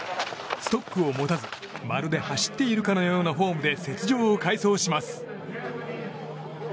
ストックを持たず、まるで走っているかのようなフォームで雪上を快走します。